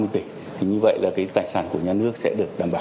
thì như vậy là cái tài sản của nhà nước sẽ được đảm bảo